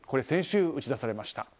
先週、打ち出されました。